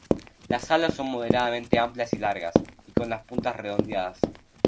Las alas son moderadamente amplias y largas, y con las puntas redondeadas.